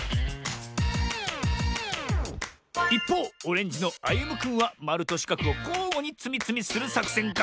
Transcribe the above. いっぽうオレンジのあゆむくんはまるとしかくをこうごにつみつみするさくせんか？